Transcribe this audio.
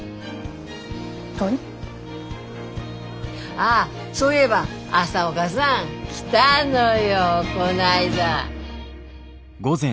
ああそういえば朝岡さん来たのよこないだ。